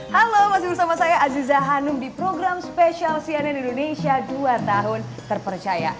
halo masih bersama saya aziza hanum di program spesial cnn indonesia dua tahun terpercaya